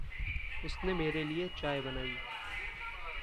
उसने मेरे लिये चाय बनाई।